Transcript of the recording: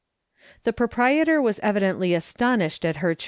The proprietor was evidently astonished at her 2l8 MRS.